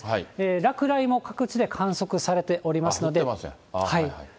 落雷も各地で観測されておりますので。